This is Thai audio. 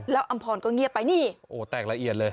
แล้วอำพรก็เงียบไปนี่โอ้แตกละเอียดเลย